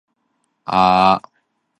結果我睡不著